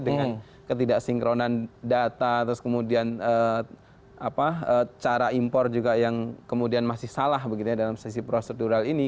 dengan ketidaksinkronan data terus kemudian cara impor juga yang kemudian masih salah dalam sisi prosedural ini